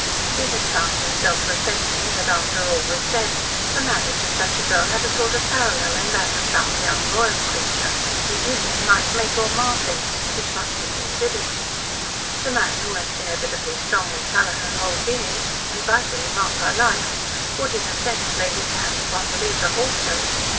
He had found himself reflecting that, after all was said, the marriage of such a girl had a sort of parallel in that of some young royal creature, whose union might make or mar things, which must be considered. The man who must inevitably strongly colour her whole being, and vitally mark her life, would, in a sense, lay his hand upon the lever also.